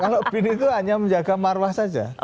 kalau bin itu hanya menjaga marwah saja